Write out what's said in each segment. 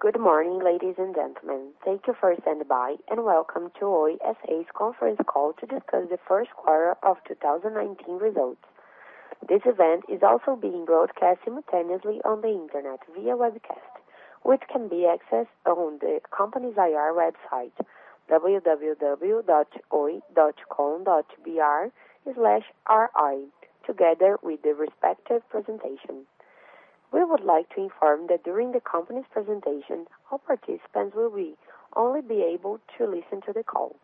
Good morning, ladies and gentlemen. Thank you for standing by and welcome to Oi S.A.'s conference call to discuss the first quarter of 2019 results. This event is also being broadcast simultaneously on the internet via webcast, which can be accessed on the company's IR website, www.oi.com.br/ri, together with the respective presentation. We would like to inform that during the company's presentation, all participants will only be able to listen to the call.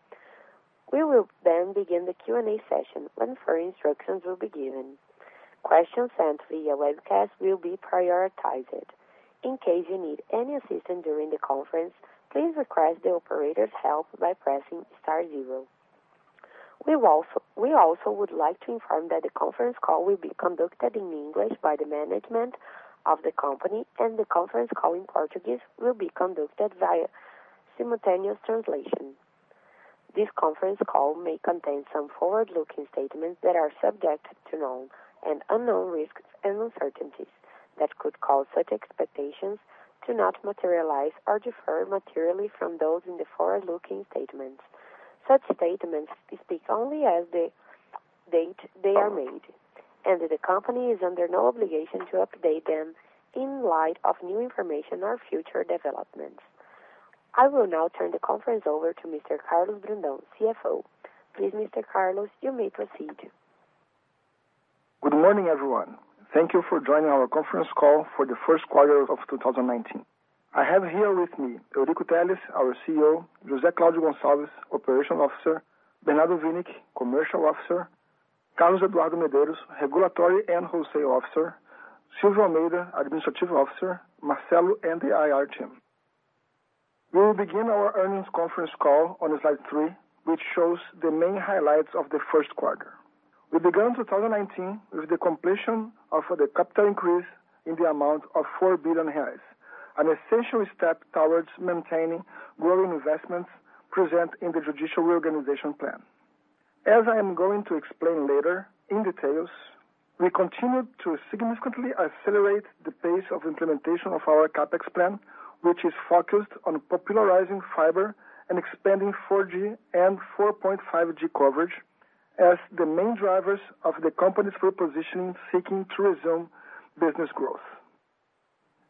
We will then begin the Q&A session when further instructions will be given. Questions sent via webcast will be prioritized. In case you need any assistance during the conference, please request the operator's help by pressing star zero. We also would like to inform that the conference call will be conducted in English by the management of the company, and the conference call in Portuguese will be conducted via simultaneous translation. This conference call may contain some forward-looking statements that are subject to known and unknown risks and uncertainties that could cause such expectations to not materialize or differ materially from those in the forward-looking statements. Such statements speak only as the date they are made, the company is under no obligation to update them in light of new information or future developments. I will now turn the conference over to Mr. Carlos Brandão, CFO. Please, Mr. Carlos, you may proceed. Good morning, everyone. Thank you for joining our conference call for the first quarter of 2019. I have here with me Eurico Teles, our CEO, José Claudio Gonçalves, Operation Officer, Bernardo Winik, Commercial Officer, Carlos Eduardo Medeiros, Regulatory and Wholesale Officer, Silvio Almeida, Administrative Officer, Marcelo, and the IR team. We will begin our earnings conference call on slide three, which shows the main highlights of the first quarter. We began 2019 with the completion of the capital increase in the amount of 4 billion reais, an essential step towards maintaining growing investments present in the judicial reorganization plan. As I am going to explain later in details, we continued to significantly accelerate the pace of implementation of our CapEx plan, which is focused on popularizing fiber and expanding 4G and 4.5G coverage as the main drivers of the company's full positioning, seeking to resume business growth.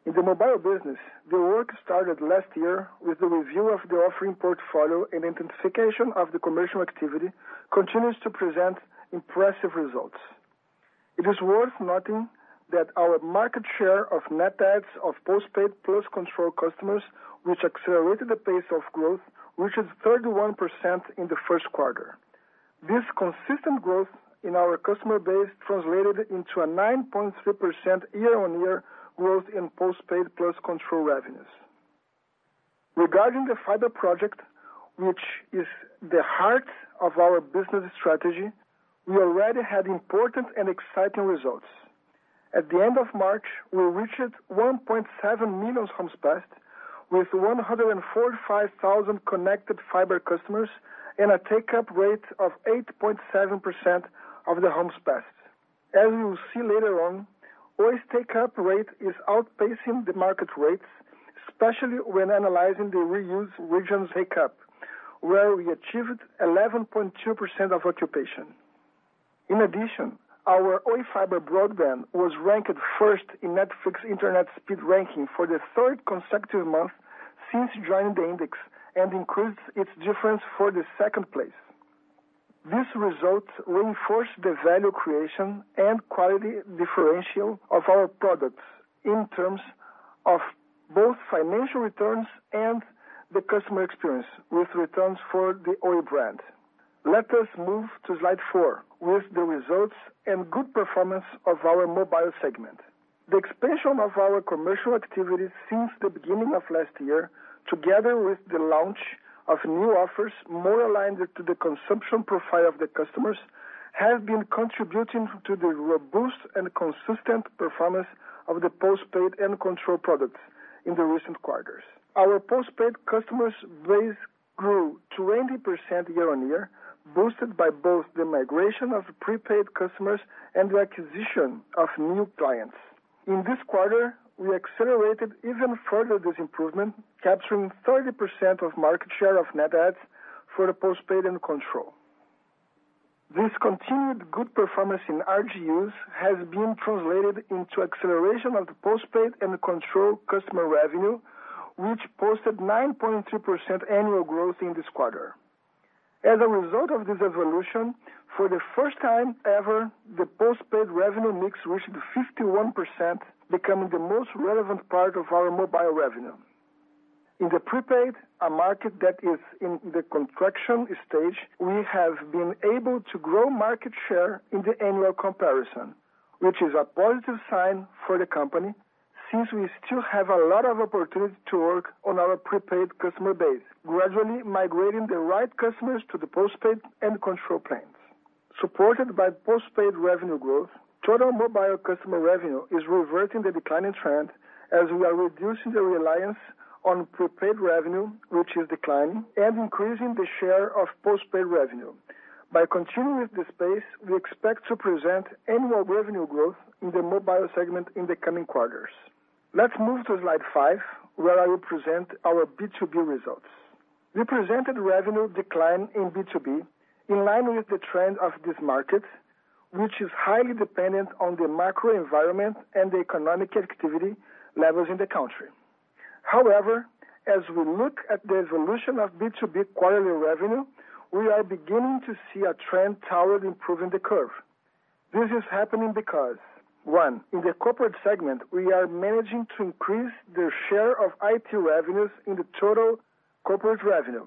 In the mobile business, the work started last year with the review of the offering portfolio and intensification of the commercial activity continues to present impressive results. It is worth noting that our market share of net adds of postpaid plus control customers, which accelerated the pace of growth, which is 31% in the first quarter. This consistent growth in our customer base translated into a 9.3% year-on-year growth in postpaid plus control revenues. Regarding the fiber project, which is the heart of our business strategy, we already had important and exciting results. At the end of March, we reached 1.7 million homes passed with 145,000 connected fiber customers and a take-up rate of 8.7% of the homes passed. As you will see later on, Oi's take-up rate is outpacing the market rates, especially when analyzing the reuse regions take-up, where we achieved 11.2% of occupation. In addition, our Oi fiber broadband was ranked first in Netflix ISP Speed Index for the third consecutive month since joining the index and increased its difference for the second place. This result reinforced the value creation and quality differential of our products in terms of both financial returns and the customer experience with returns for the Oi brand. Let us move to slide four with the results and good performance of our mobile segment. The expansion of our commercial activities since the beginning of last year, together with the launch of new offers more aligned to the consumption profile of the customers, has been contributing to the robust and consistent performance of the postpaid and control products in the recent quarters. Our postpaid customers' base grew 20% year-on-year, boosted by both the migration of prepaid customers and the acquisition of new clients. In this quarter, we accelerated even further this improvement, capturing 30% of market share of net adds for the postpaid and control. This continued good performance in RGUs has been translated into acceleration of the postpaid and control customer revenue, which posted 9.3% annual growth in this quarter. As a result of this evolution, for the first time ever, the postpaid revenue mix reached 51%, becoming the most relevant part of our mobile revenue. In the prepaid, a market that is in the contraction stage, we have been able to grow market share in the annual comparison, which is a positive sign for the company since we still have a lot of opportunities to work on our prepaid customer base, gradually migrating the right customers to the postpaid and control plans. Supported by postpaid revenue growth, total mobile customer revenue is reverting the declining trend as we are reducing the reliance on prepaid revenue, which is declining, and increasing the share of postpaid revenue. By continuing with this pace, we expect to present annual revenue growth in the mobile segment in the coming quarters. Let's move to slide five, where I will present our B2B results. We presented revenue decline in B2B in line with the trend of this market, which is highly dependent on the macro environment and the economic activity levels in the country. However, as we look at the evolution of B2B quarterly revenue, we are beginning to see a trend toward improving the curve. This is happening because, one, in the corporate segment, we are managing to increase the share of IT revenues in the total corporate revenue.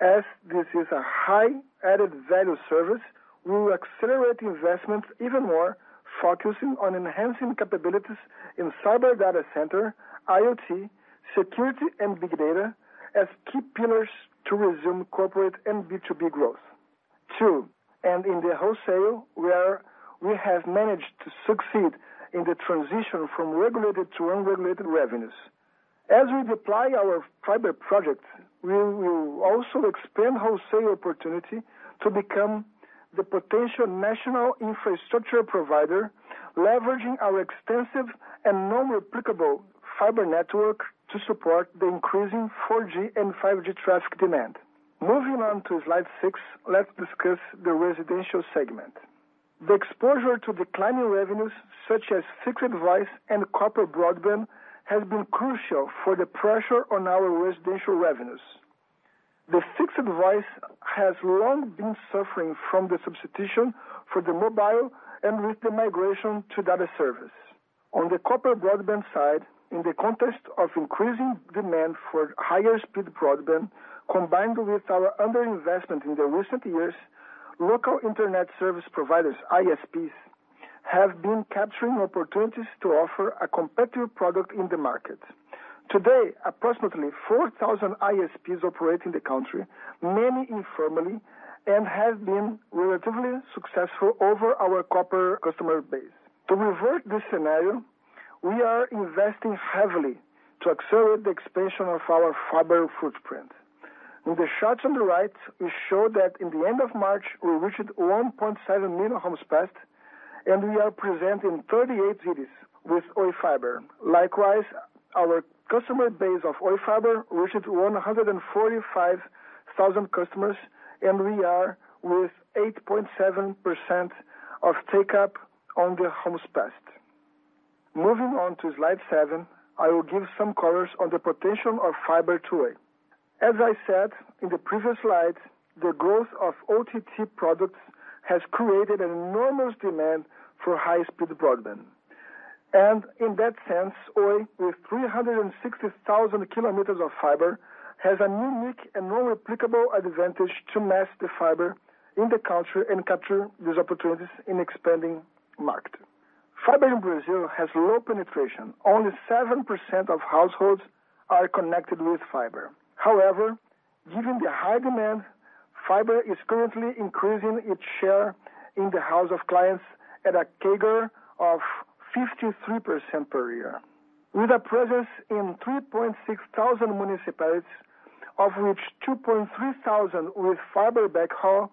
As this is a high added-value service, we will accelerate investments even more, focusing on enhancing capabilities in cyber data center, IoT, security, and big data as key pillars to resume corporate and B2B growth. Two, in the wholesale, we have managed to succeed in the transition from regulated to unregulated revenues. As we deploy our fiber project, we will also expand wholesale opportunity to become the potential national infrastructure provider, leveraging our extensive and non-replicable fiber network to support the increasing 4G and 5G traffic demand. Moving on to slide six, let's discuss the residential segment. The exposure to declining revenues such as fixed voice and copper broadband has been crucial for the pressure on our residential revenues. The fixed voice has long been suffering from the substitution for the mobile and with the migration to data service. On the copper broadband side, in the context of increasing demand for higher speed broadband, combined with our under-investment in the recent years, local Internet Service Providers, ISPs, have been capturing opportunities to offer a competitive product in the market. Today, approximately 4,000 ISPs operate in the country, many informally, and have been relatively successful over our copper customer base. To revert this scenario, we are investing heavily to accelerate the expansion of our fiber footprint. In the chart on the right, we show that in the end of March, we reached 1.7 million homes passed, and we are present in 38 cities with Oi Fibra. Likewise, our customer base of Oi Fibra reached 145,000 customers, and we are with 8.7% of take-up on the homes passed. Moving on to slide seven, I will give some colors on the potential of fiber to Oi. As I said in the previous slide, the growth of OTT products has created an enormous demand for high-speed broadband. In that sense, Oi, with 360,000 kilometers of fiber, has a unique and non-replicable advantage to match the fiber in the country and capture these opportunities in expanding market. Fiber in Brazil has low penetration. Only 7% of households are connected with fiber. However, given the high demand, fiber is currently increasing its share in the house of clients at a CAGR of 53% per year. With a presence in 3,600 municipalities, of which 2,300 with fiber backhaul,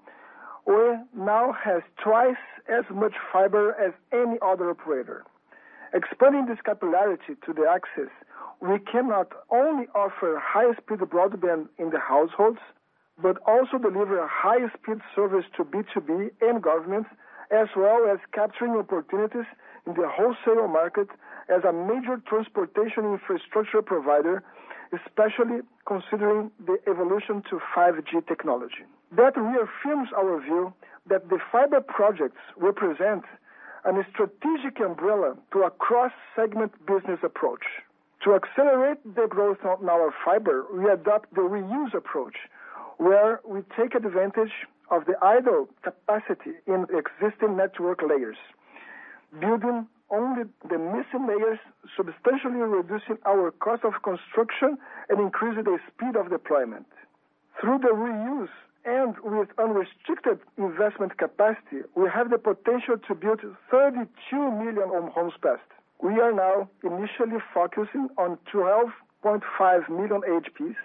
Oi now has twice as much fiber as any other operator. Expanding this capillarity to the access, we can not only offer high-speed broadband in the households but also deliver high-speed service to B2B and government, as well as capturing opportunities in the wholesale market as a major transportation infrastructure provider, especially considering the evolution to 5G technology. That reaffirms our view that the fiber projects represent a strategic umbrella to a cross-segment business approach. To accelerate the growth in our fiber, we adopt the reuse approach where we take advantage of the idle capacity in existing network layers, building only the missing layers, substantially reducing our cost of construction and increasing the speed of deployment. Through the reuse and with unrestricted investment capacity, we have the potential to build 32 million homes passed. We are now initially focusing on 12.5 million HPs,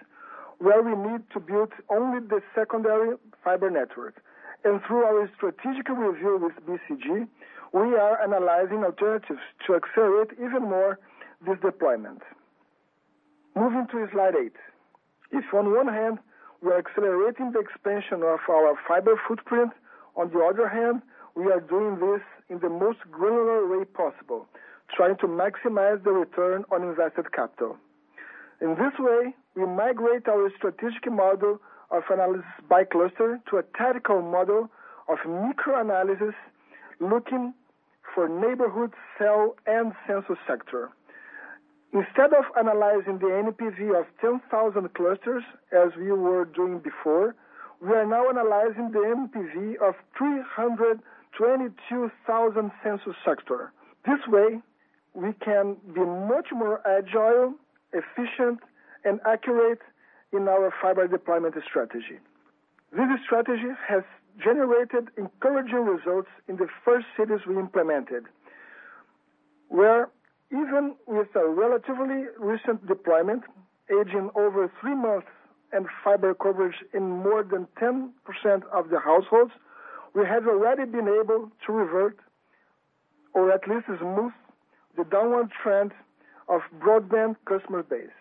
where we need to build only the secondary fiber network. Through our strategic review with BCG, we are analyzing alternatives to accelerate even more this deployment. Moving to slide eight. If on one hand, we're accelerating the expansion of our fiber footprint, on the other hand, we are doing this in the most granular way possible, trying to maximize the return on invested capital. In this way, we migrate our strategic model of analysis by cluster to a tactical model of micro analysis, looking for neighborhood, cell, and census sector. Instead of analyzing the NPV of 10,000 clusters, as we were doing before, we are now analyzing the NPV of 322,000 census sector. This way, we can be much more agile, efficient, and accurate in our fiber deployment strategy. This strategy has generated encouraging results in the first cities we implemented. Where, even with a relatively recent deployment, aging over 3 months, and fiber coverage in more than 10% of the households, we have already been able to revert or at least smooth the downward trend of broadband customer base.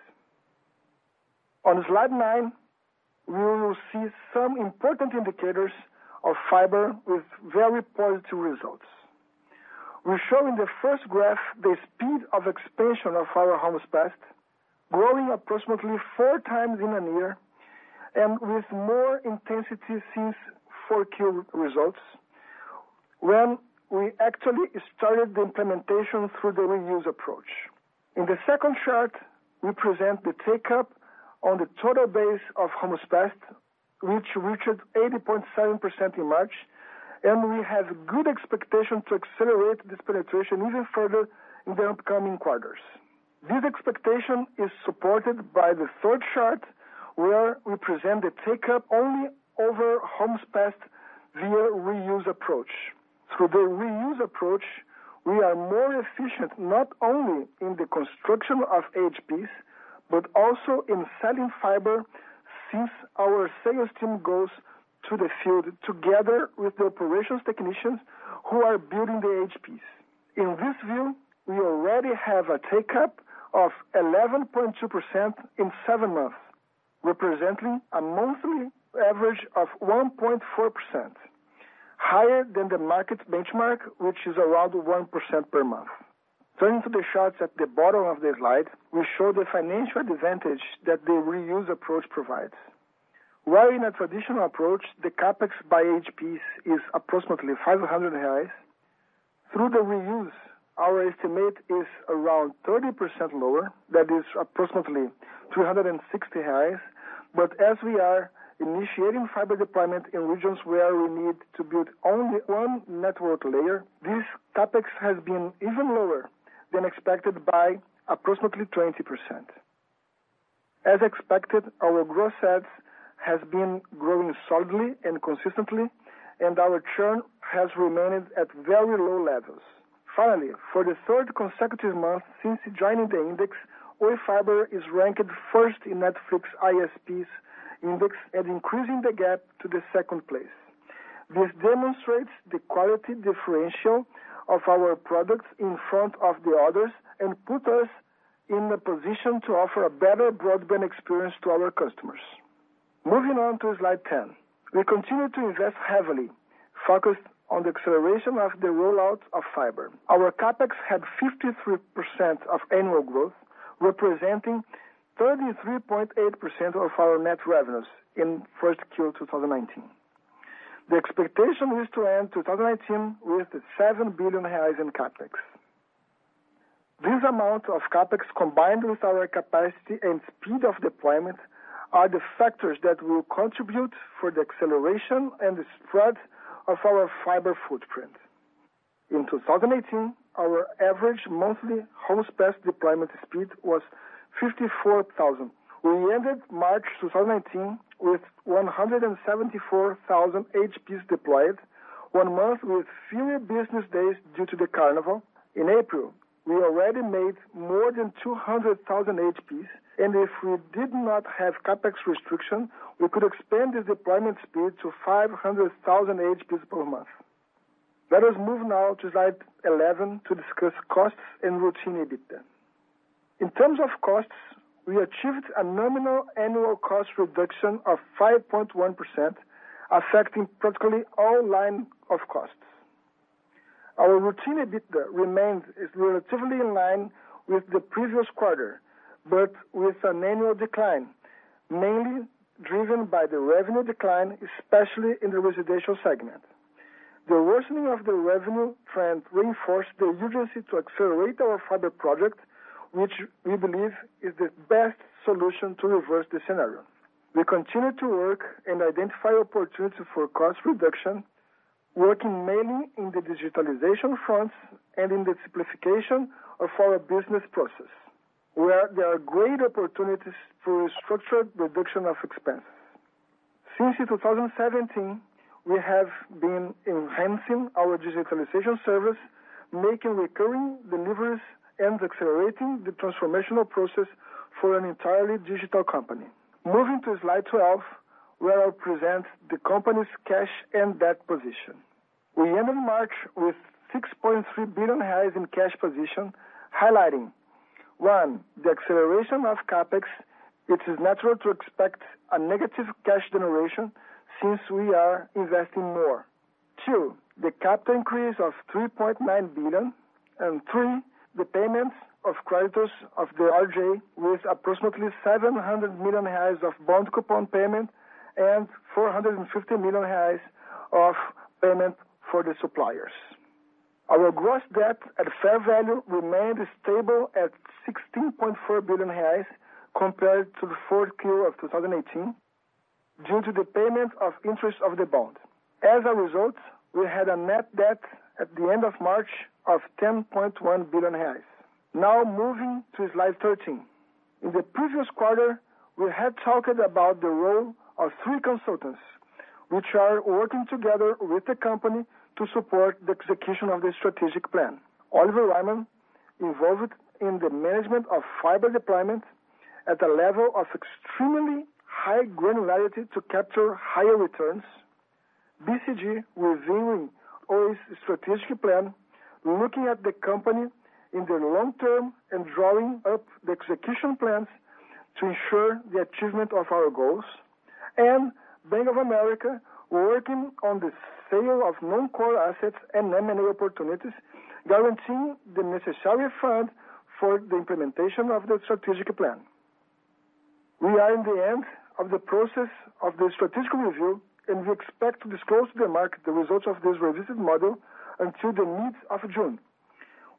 On slide nine, we will see some important indicators of fiber with very positive results. We show in the first graph the speed of expansion of our homes passed, growing approximately 4 times in a year, and with more intensity since 4Q results, when we actually started the implementation through the reuse approach. In the second chart, we present the take-up on the total base of homes passed, which reached 80.7% in March, and we have good expectation to accelerate this penetration even further in the upcoming quarters. This expectation is supported by the third chart, where we present the take-up only over homes passed via reuse approach. Through the reuse approach, we are more efficient, not only in the construction of HPs, but also in selling fiber, since our sales team goes to the field together with the operations technicians who are building the HPs. In this view, we already have a take-up of 11.2% in 7 months, representing a monthly average of 1.4%, higher than the market benchmark, which is around 1% per month. Turning to the charts at the bottom of the slide, we show the financial advantage that the reuse approach provides. Where in a traditional approach, the CapEx by HPs is approximately 500 reais. Through the reuse, our estimate is around 30% lower, that is approximately 360. As we are initiating fiber deployment in regions where we need to build only one network layer, this CapEx has been even lower than expected by approximately 20%. As expected, our gross adds has been growing solidly and consistently, and our churn has remained at very low levels. Finally, for the third consecutive month since joining the index, Oi Fibra is ranked first in Netflix ISPs index and increasing the gap to the second place. This demonstrates the quality differential of our products in front of the others and put us in a position to offer a better broadband experience to our customers. Moving on to slide 10. We continue to invest heavily, focused on the acceleration of the rollout of fiber. Our CapEx had 53% of annual growth, representing 33.8% of our net revenues in 1Q 2019. The expectation is to end 2019 with 7 billion in CapEx. This amount of CapEx, combined with our capacity and speed of deployment, are the factors that will contribute for the acceleration and the spread of our fiber footprint. In 2018, our average monthly homes passed deployment speed was 54,000. We ended March 2019 with 174,000 HPs deployed, one month with fewer business days due to the carnival. In April, we already made more than 200,000 HPs, and if we did not have CapEx restriction, we could expand the deployment speed to 500,000 HPs per month. Let us move now to slide 11 to discuss costs and routine EBITDA. In terms of costs, we achieved a nominal annual cost reduction of 5.1%, affecting practically all line of costs. Our routine EBITDA remains relatively in line with the previous quarter. With an annual decline, mainly driven by the revenue decline, especially in the residential segment. The worsening of the revenue trend reinforced the urgency to accelerate our fiber project, which we believe is the best solution to reverse the scenario. We continue to work and identify opportunities for cost reduction, working mainly in the digitalization front and in the simplification of our business process, where there are great opportunities for structured reduction of expenses. Since 2017, we have been enhancing our digitalization service, making recurring deliveries, and accelerating the transformational process for an entirely digital company. Moving to slide 12, where I present the company's cash and debt position. We end in March with 6.3 billion reais in cash position, highlighting, 1, the acceleration of CapEx. It is natural to expect a negative cash generation since we are investing more. 2, the CapEx increase of 3.9 billion. 3, the payments of creditors of the RJ with approximately 700 million reais of bond coupon payment and 450 million reais of payment for the suppliers. Our gross debt at fair value remained stable at 16.4 billion reais compared to the 4Q 2018 due to the payment of interest of the bond. A result, we had a net debt at the end of March of 10.1 billion reais. Moving to slide 13. In the previous quarter, we had talked about the role of three consultants which are working together with the company to support the execution of the strategic plan. Oliver Wyman, involved in the management of fiber deployment at a level of extremely high granularity to capture higher returns. BCG within Oi's strategic plan, looking at the company in the long term and drawing up the execution plans to ensure the achievement of our goals. Bank of America, working on the sale of non-core assets and M&A opportunities, guaranteeing the necessary fund for the implementation of the strategic plan. We are in the end of the process of the strategic review. We expect to disclose to the market the results of this revision model until mid-June.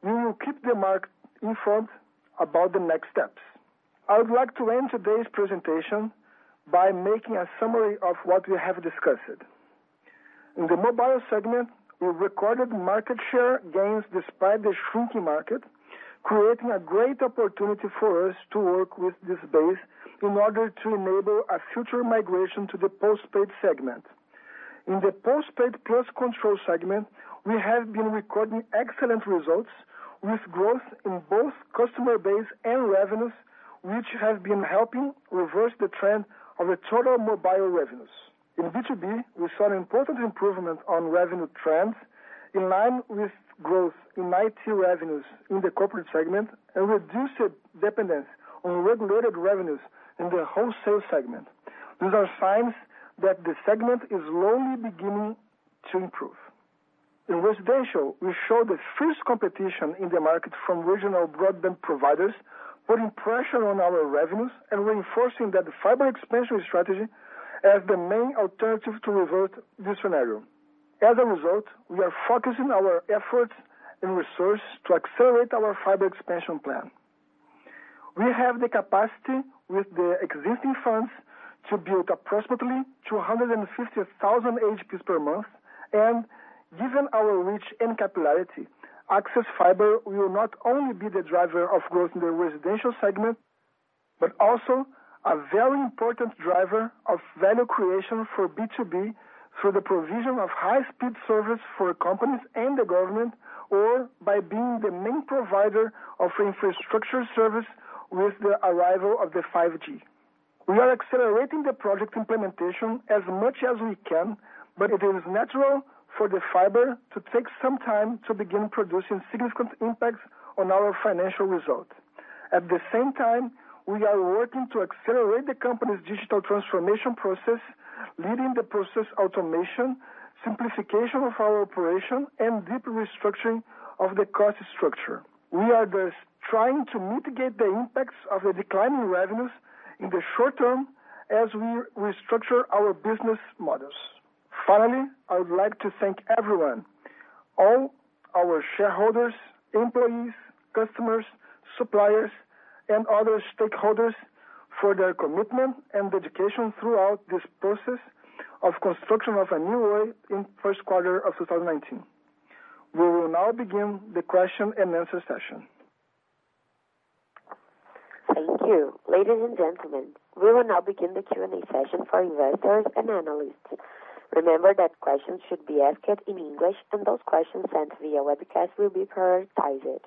We will keep the market informed about the next steps. I would like to end today's presentation by making a summary of what we have discussed. In the mobile segment, we recorded market share gains despite the shrinking market, creating a great opportunity for us to work with this base in order to enable a future migration to the postpaid segment. In the postpaid plus control segment, we have been recording excellent results with growth in both customer base and revenues, which have been helping reverse the trend of the total mobile revenues. In B2B, we saw an important improvement on revenue trends in line with growth in IT revenues in the corporate segment and reduced dependence on regulated revenues in the wholesale segment. These are signs that the segment is only beginning to improve. In residential, we saw the fierce competition in the market from regional broadband providers, putting pressure on our revenues and reinforcing that the fiber expansion strategy as the main alternative to reverse this scenario. A result, we are focusing our efforts and resources to accelerate our fiber expansion plan. We have the capacity with the existing funds to build approximately 250,000 HPs per month. Given our reach and capillarity, access fiber will not only be the driver of growth in the residential segment, but also a very important driver of value creation for B2B through the provision of high-speed service for companies and the government, or by being the main provider of infrastructure service with the arrival of the 5G. We are accelerating the project implementation as much as we can, but it is natural for the fiber to take some time to begin producing significant impacts on our financial results. At the same time, we are working to accelerate the company's digital transformation process, leading the process automation, simplification of our operation, and deep restructuring of the cost structure. We are just trying to mitigate the impacts of the decline in revenues in the short term as we restructure our business models. Finally, I would like to thank everyone, all our shareholders, employees, customers, suppliers, and other stakeholders for their commitment and dedication throughout this process of construction of a new Oi in the first quarter of 2019. We will now begin the question-and-answer session. Thank you. Ladies and gentlemen, we will now begin the Q&A session for investors and analysts. Remember that questions should be asked in English, and those questions sent via webcast will be prioritized.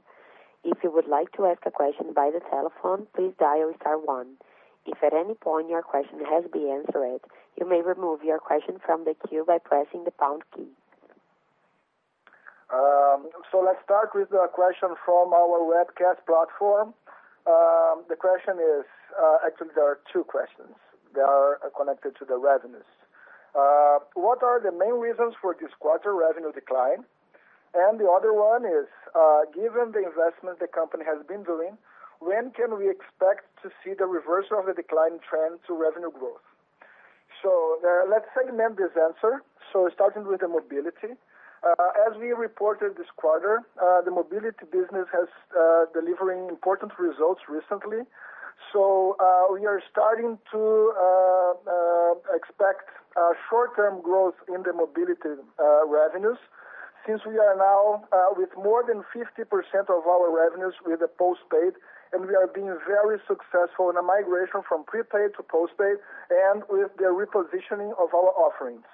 If you would like to ask a question by the telephone, please dial star one. If at any point your question has been answered, you may remove your question from the queue by pressing the pound key. Let's start with a question from our webcast platform. Actually there are two questions. They are connected to the revenues. What are the main reasons for this quarter revenue decline? The other one is, given the investment the company has been doing, when can we expect to see the reversal of the decline trend to revenue growth? Let segment this answer. Starting with the mobility. As we reported this quarter, the mobility business has delivering important results recently. We are starting to expect short-term growth in the mobility revenues since we are now with more than 50% of our revenues with the postpaid, and we are being very successful in the migration from prepaid to postpaid and with the repositioning of our offerings.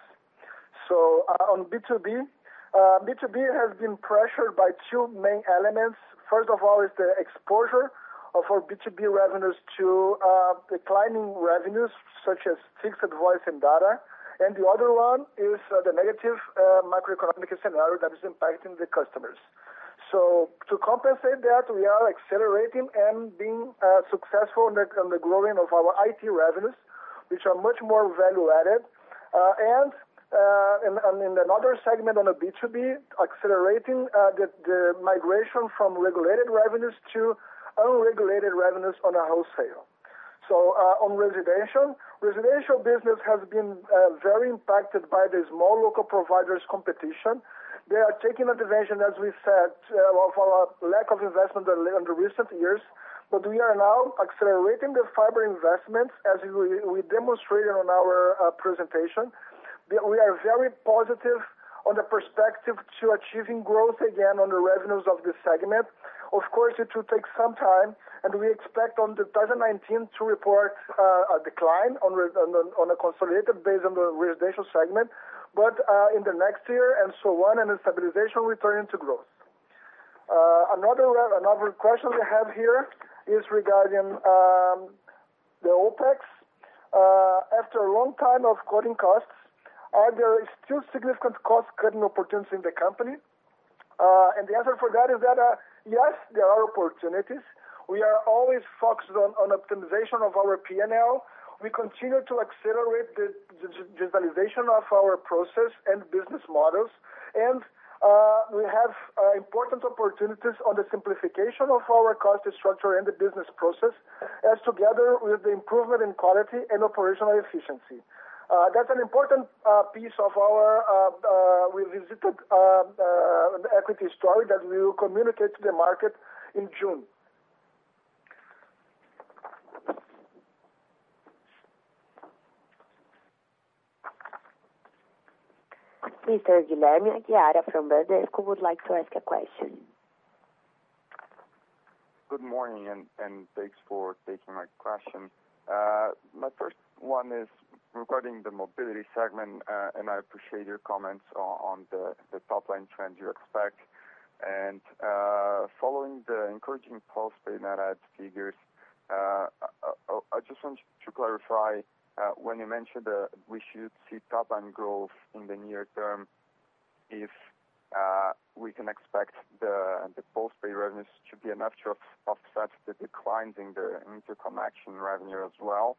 On B2B has been pressured by two main elements. First of all, is the exposure of our B2B revenues to declining revenues such as fixed voice and data. The other one is the negative macroeconomic scenario that is impacting the customers. To compensate that, we are accelerating and being successful on the growing of our IT revenues, which are much more value added. In another segment on the B2B, accelerating the migration from regulated revenues to unregulated revenues on a wholesale. On residential. Residential business has been very impacted by the small local providers competition. They are taking advantage, as we said, of our lack of investment in the recent years. We are now accelerating the fiber investments as we demonstrated on our presentation. We are very positive on the perspective to achieving growth again on the revenues of this segment. Of course, it will take some time, and we expect in 2019 to report a decline on a consolidated base on the residential segment. In the next year and so on, and the stabilization returning to growth. Another question we have here is regarding the OpEx. After a long time of cutting costs, are there still significant cost-cutting opportunities in the company? The answer for that is that, yes, there are opportunities. We are always focused on optimization of our P&L. We continue to accelerate the digitalization of our process and business models, and we have important opportunities on the simplification of our cost structure and the business process, as together with the improvement in quality and operational efficiency. That's an important piece of our revisited equity story that we will communicate to the market in June. Mr. Rodrigo Aguiar from Bradesco would like to ask a question. Good morning, and thanks for taking my question. My first one is regarding the mobility segment, and I appreciate your comments on the top-line trend you expect. Following the encouraging postpaid net adds figures, I just want to clarify, when you mentioned we should see top-line growth in the near term, if we can expect the postpaid revenues to be enough to offset the declines in the interconnection revenue as well,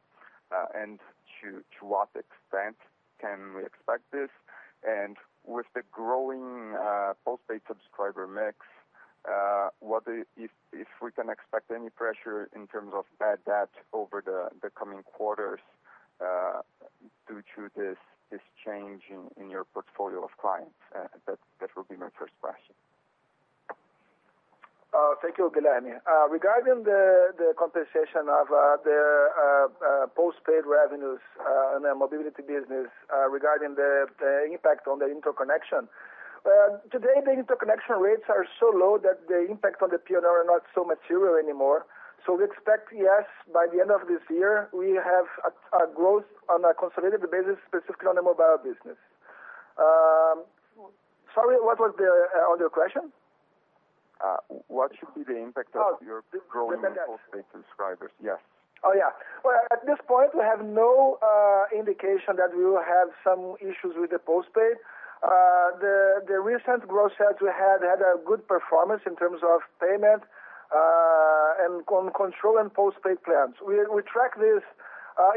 and to what extent can we expect this? With the growing postpaid subscriber mix, if we can expect any pressure in terms of bad debt over the coming quarters due to this change in your portfolio of clients? That would be my first question. Thank you, Guilherme. Regarding the compensation of the postpaid revenues in the mobility business, regarding the impact on the interconnection. Today, the interconnection rates are so low that the impact on the P&L are not so material anymore. We expect, yes, by the end of this year, we have a growth on a consolidated basis, specifically on the mobile business. Sorry, what was the other question? What should be the impact of your growing postpaid subscribers? Yes. Oh, yeah. Well, at this point, we have no indication that we will have some issues with the postpaid. The recent growth that we had a good performance in terms of payment and control and postpaid plans. We track this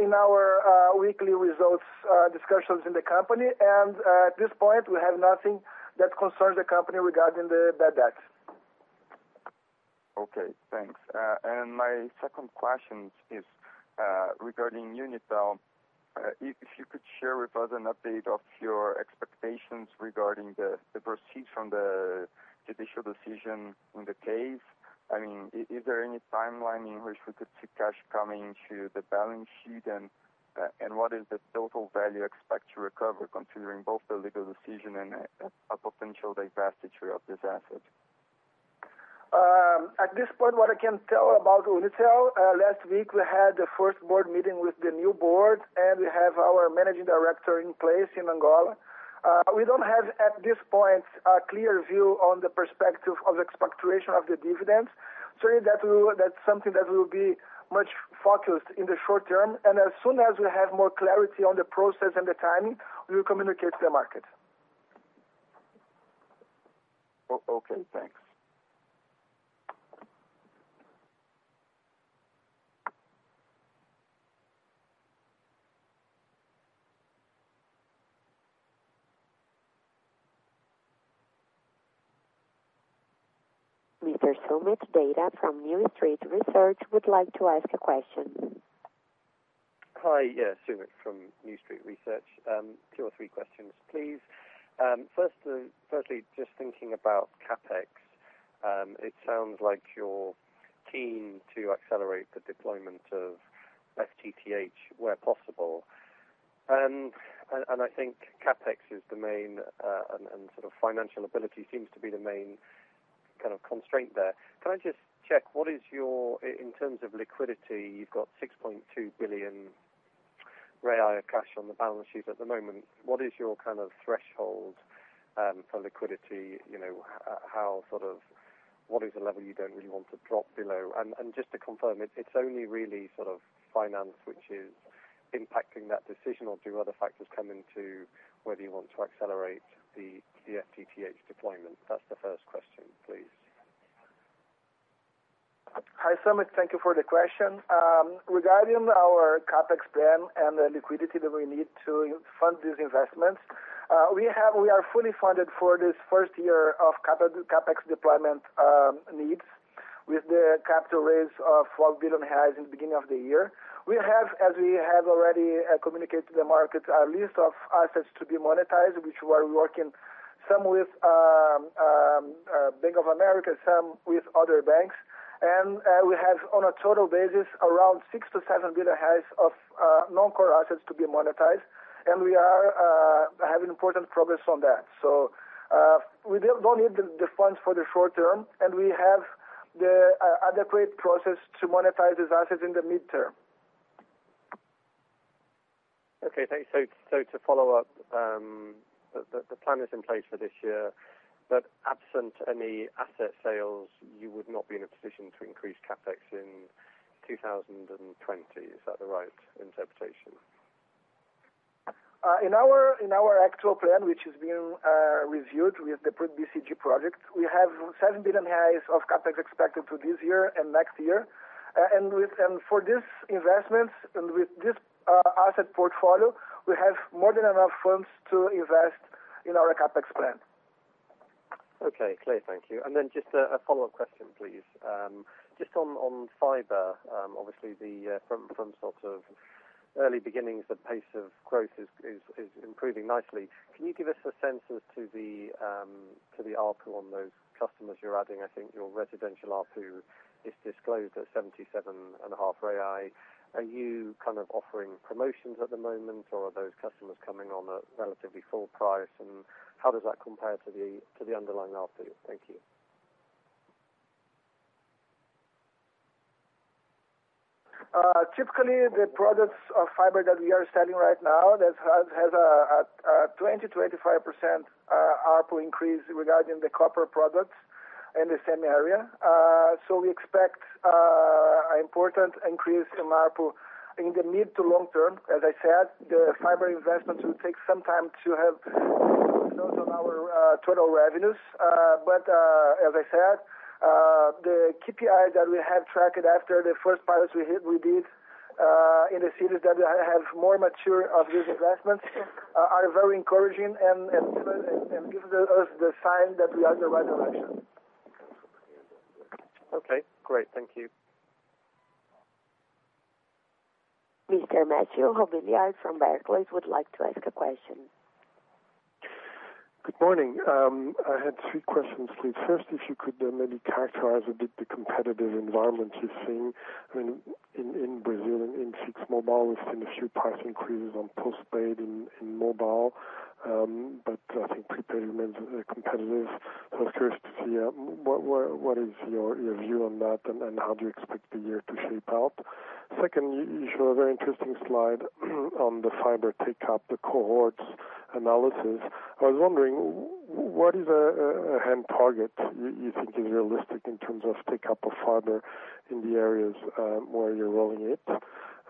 in our weekly results discussions in the company, and at this point, we have nothing that concerns the company regarding the bad debts. Okay, thanks. My second question is regarding Unitel. If you could share with us an update of your expectations regarding the proceeds from the judicial decision in the case. Is there any timeline in which we could see cash coming into the balance sheet, and what is the total value you expect to recover considering both the legal decision and a potential divestiture of this asset? At this point, what I can tell about Unitel, last week, we had the first board meeting with the new board. We have our managing director in place in Angola. We don't have, at this point, a clear view on the perspective of the expectation of the dividends. Certainly, that's something that will be much focused in the short term. As soon as we have more clarity on the process and the timing, we will communicate to the market. Okay, thanks. Mr. Sumit Datta from New Street Research would like to ask a question. Hi, yes. Sumit from New Street Research. Two or three questions, please. Firstly, just thinking about CapEx, it sounds like you're keen to accelerate the deployment of FTTH where possible. I think CapEx is the main, and financial ability seems to be the main constraint there. Can I just check, in terms of liquidity, you've got 6.2 billion BRL cash on the balance sheet at the moment. What is your threshold for liquidity? What is the level you don't really want to drop below? Just to confirm, it's only really finance which is impacting that decision, or do other factors come into whether you want to accelerate the FTTH deployment? That's the first question, please. Hi, Sumit. Thank you for the question. Regarding our CapEx plan and the liquidity that we need to fund these investments, we are fully funded for this first year of CapEx deployment needs with the capital raise of 4 billion reais in the beginning of the year. We have, as we have already communicated to the market, a list of assets to be monetized, which we are working some with Bank of America, some with other banks. We have, on a total basis, around 6 billion to 7 billion reais of non-core assets to be monetized. We are having important progress on that. We don't need the funds for the short term, and we have the adequate process to monetize these assets in the midterm. Okay, thanks. To follow up, the plan is in place for this year, but absent any asset sales, you would not be in a position to increase CapEx in 2020. Is that the right interpretation? In our actual plan, which is being reviewed with the pre-BCG project, we have 7 billion reais of CapEx expected for this year and next year. For these investments and with this asset portfolio, we have more than enough funds to invest in our CapEx plan. Okay, clear. Thank you. Just a follow-up question, please. Just on fiber, obviously from sort of early beginnings, the pace of growth is improving nicely. Can you give us a sense as to the ARPU on those customers you're adding? I think your residential ARPU is disclosed at 77.5. Are you offering promotions at the moment, or are those customers coming on at relatively full price? And how does that compare to the underlying ARPU? Thank you. Typically, the products of fiber that we are selling right now, that has a 20%-25% ARPU increase regarding the copper products in the same area. We expect an important increase in ARPU in the mid to long term. As I said, the fiber investments will take some time to have an impact on our total revenues. As I said, the KPI that we have tracked after the first pilots we did in the cities that have more mature of these investments are very encouraging and give us the sign that we are on the right direction. Okay, great. Thank you. Mr. Mathieu Robilliard from Barclays would like to ask a question. Good morning. I had three questions, please. First, if you could maybe characterize a bit the competitive environment you're seeing. In Brazil, in fixed mobile, we've seen a few price increases on postpaid and mobile. I think prepaid remains competitive. I was curious to see what is your view on that, and how do you expect the year to shape out? Second, you show a very interesting slide on the fiber take-up, the cohorts analysis. I was wondering, what is a hand target you think is realistic in terms of take-up of fiber in the areas where you're rolling it?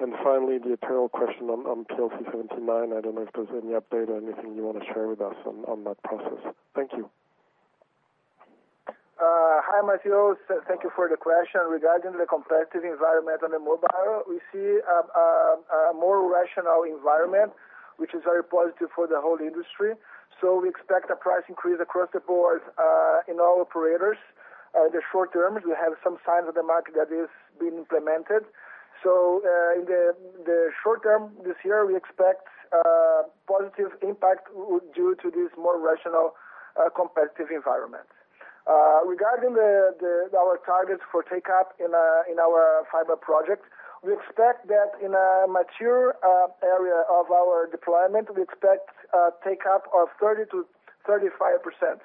And finally, the eternal question on PLC 79. I don't know if there's any update or anything you want to share with us on that process. Thank you. Hi, Mathieu. Thank you for the question. Regarding the competitive environment on mobile, we see a more rational environment, which is very positive for the whole industry. We expect a price increase across the board in all operators. In the short term, we have some signs of the market that is being implemented. In the short term this year, we expect a positive impact due to this more rational, competitive environment. Regarding our targets for take-up in our fiber project, we expect that in a mature area of our deployment, we expect a take-up of 30%-35%.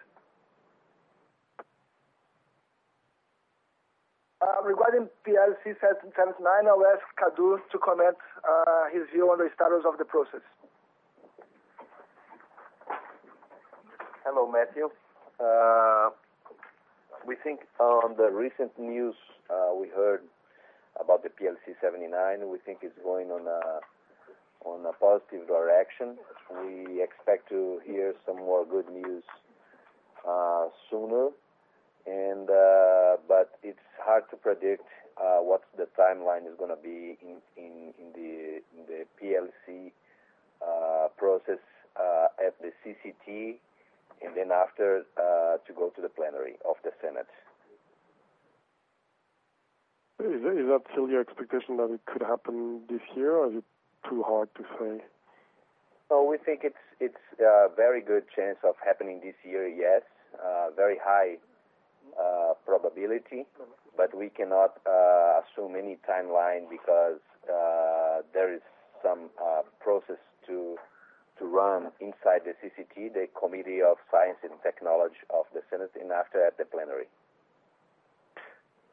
Regarding PLC 79, I'll ask Cadu to comment his view on the status of the process. Hello, Mathieu. We think on the recent news we heard about the PLC 79, we think it's going in a positive direction. We expect to hear some more good news sooner. It's hard to predict what the timeline is going to be in the PLC process at the CCT, and then after to go to the plenary of the Senate. Is that still your expectation that it could happen this year, or is it too hard to say? We think it's a very good chance of happening this year, yes. Very high probability. We cannot assume any timeline because there is some process to run inside the CCT, the Committee of Science and Technology of the Senate, and after at the plenary.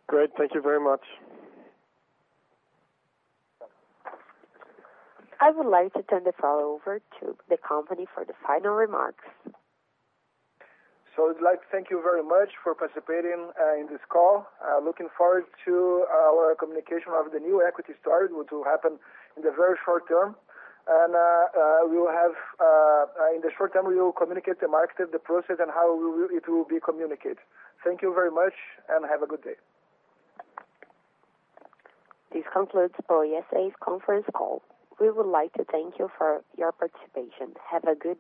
Great. Thank you very much. I would like to turn the call over to the company for the final remarks. I'd like to thank you very much for participating in this call. Looking forward to our communication of the new equity story, which will happen in the very short term. In the short term, we will communicate to the market the process and how it will be communicated. Thank you very much and have a good day. This concludes Oi S.A.'s conference call. We would like to thank you for your participation. Have a good day.